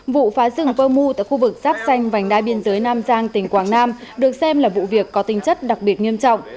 vụ phá rừng pơ mu tại khu vực giáp xanh vành đai biên giới nam giang tỉnh quảng nam được xem là vụ việc có tinh chất đặc biệt nghiêm trọng